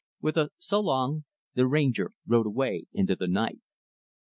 With a "so long," the Ranger rode away into the night.